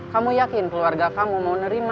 kamu yakin keluarga kamu mau nerima